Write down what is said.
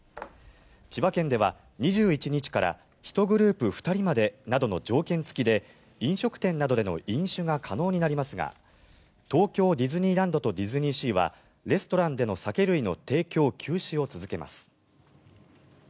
千葉県では２１日から１グループ２人までなどの条件付きで飲食店などでの飲酒が可能になりますが東京ディズニーランドとディズニーシーはレストランでの酒類の提供休止を続けます。